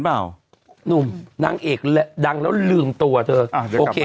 เปล่าหนุ่มนางเอกดังแล้วลืมตัวเธออ่าเดี๋ยวโอเค